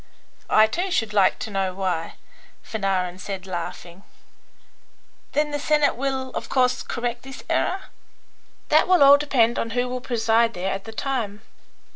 "I, too, should like to know why," Fanarin said, laughing. "Then the Senate will, of course, correct this error?" "That will all depend on who will preside there at the time.